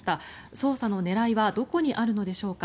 捜査の狙いはどこにあるのでしょうか。